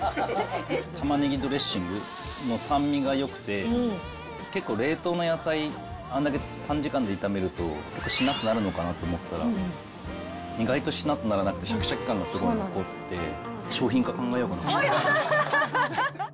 タマネギドレッシングの酸味がよくて、結構、冷凍の野菜、あんだけ短時間で炒めると、しなっとなるのかなと思ったら、意外としなっとならなくて、しゃきしゃき感がすごい残ってて、商品化考えようかな。